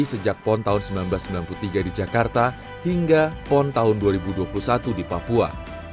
sejak pon tahun seribu sembilan ratus sembilan puluh tiga di jakarta hingga pon tahun dua ribu dua puluh satu di papua